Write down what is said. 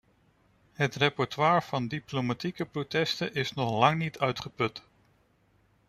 Het repertoire van diplomatieke protesten is nog lang niet uitgeput.